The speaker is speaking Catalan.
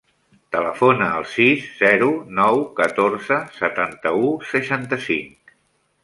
Telefona al sis, zero, nou, catorze, setanta-u, seixanta-cinc.